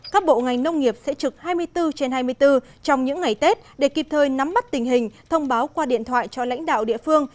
các bộ ngành nông nghiệp sẽ trực hai mươi bốn trên hai mươi bốn trong những ngày tết để kịp thời nắm mắt tình hình thông báo qua điện thoại cho lãnh đạo địa phương